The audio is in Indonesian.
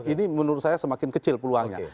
ini menurut saya semakin kecil peluangnya